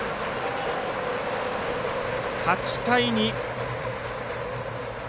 ８対２。